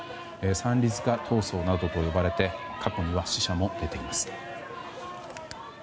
三里塚闘争などと呼ばれ過去には死者も出ています。